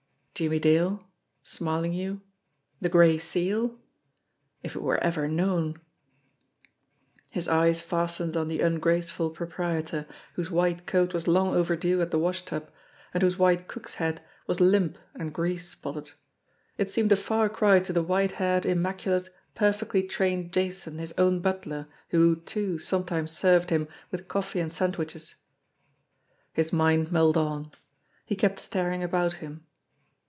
Jimmie Dale; Smarlinghue the Gray Seal! If it were ever known ! His eyes fastened on the ungraceful proprietor, whose white coat was long overdue at the washtub, and whose white cook's hat was limp and grease spotted. It seemed a far cry to the white haired, immaculate, perfectly trained Jason, his own butler, who, too, sometimes served him with coffee and sandwiches ! His mind mulled on. He kept staring about him.